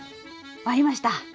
終わりました！